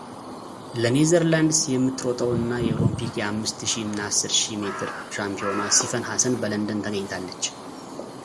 ለኔዘርላንድስ የምትሮጠው እና የኦሊምፒክ የአምስት ሺህ እና አስር ሺህ ሜትር ሻምፒዮኗ ሲፈን ሐሰን በለንደን ተገኝታለች።